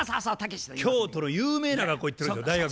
京都の有名な学校行ってるんですよ。